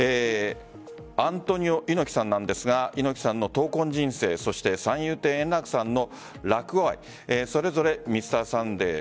アントニオ猪木さんなんですが猪木さんの闘魂人生三遊亭円楽さんの落語愛それぞれ「Ｍｒ．サンデー」